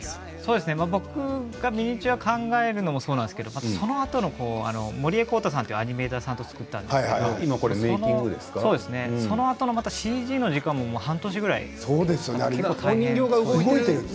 僕がミニチュアを考えるのもそうなんですけれどそのあと、森江康太さんというアニメーターの方と作ったんですけれどＣＧの時間も半年ぐらいかかりました。